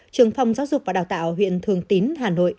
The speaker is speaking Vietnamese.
trường phòng giáo dục và đào tạo huyện thường tín hà nội